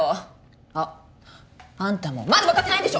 あっあんたもまだ分かってないんでしょ！